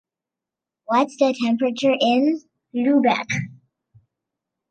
What’s the temperature in Lübeck?